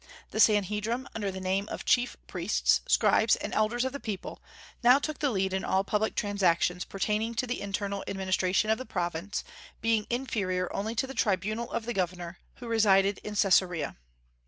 The Sanhedrim, under the name of chief priests, scribes, and elders of the people, now took the lead in all public transactions pertaining to the internal administration of the province, being inferior only to the tribunal of the governor, who resided in Caesarea.